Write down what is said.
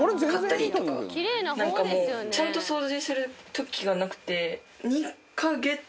なんかもうちゃんと掃除する時がなくて。